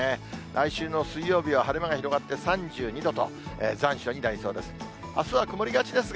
来週の水曜日は晴れ間が広がって３２度と、残暑になりそうです。